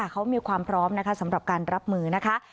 เขามีความพร้อมนะคะสำหรับการรับมือนะคะ